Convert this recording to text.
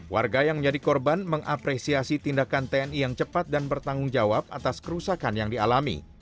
warga yang menjadi korban mengapresiasi tindakan tni yang cepat dan bertanggung jawab atas kerusakan yang dialami